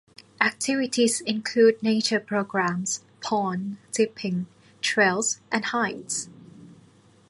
Activities include nature programs, pond dipping, trails and hides.